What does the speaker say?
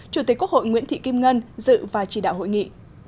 chủ tịch quốc hội nguyễn thị kim ngân dự và chỉ đạo hội nghị